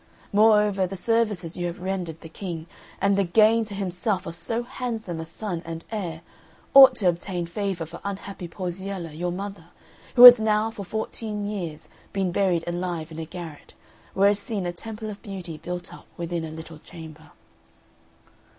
Moreover, the services you have rendered the King, and the gain to himself of so handsome a son and heir, ought to obtain favour for unhappy Porziella, your mother, who has now for fourteen years been buried alive in a garret, where is seen a temple of beauty built up within a little chamber."